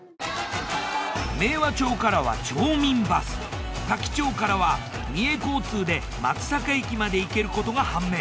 明和町からは町民バス多気町からは三重交通で松阪駅まで行けることが判明。